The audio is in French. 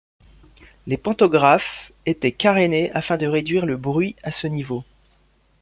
Les pantographes étaient carénés afin de réduire le bruit à ce niveau.